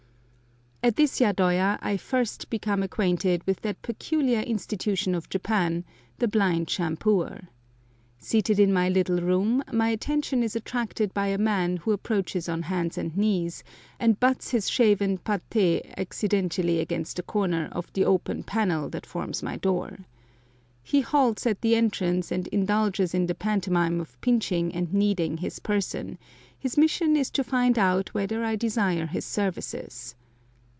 At this yadoya I first become acquainted with that peculiar institution of Japan, the blind shampooer. Seated in my little room, my attention is attracted by a man who approaches on hands and knees, and butts his shaven pate accidentally against the corner of the open panel that forms my door. He halts at the entrance and indulges in the pantomime of pinching and kneading his person; his mission is to find out whether I desire his services.